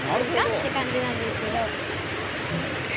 っていう感じなんですけど。